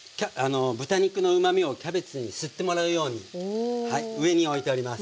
豚肉のうまみをキャベツに吸ってもらうように上においております。